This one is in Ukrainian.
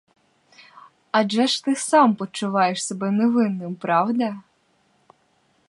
Адже ж ти сам почуваєш себе невинним, правда?